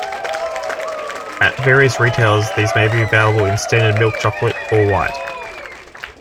At various retailers these may be available in standard milk chocolate or white.